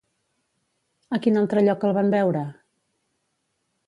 A quin altre lloc el van veure?